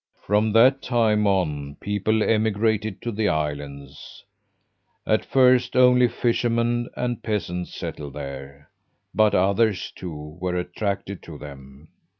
"From that time on people emigrated to the islands. At first only fishermen and peasants settled there, but others, too, were attracted to them.